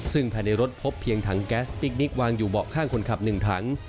ซึ่งภายในรถพบเพียงถังแก๊สติ๊กนิกวางอยู่เบาะข้างคนขับ๑ถัง